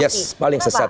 yes paling sesat